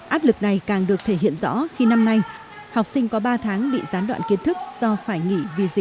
áp lực này càng được thể hiện rõ khi năm nay học sinh có ba tháng bị gián đoạn kiến thức do phải nghỉ vì dịch covid một mươi chín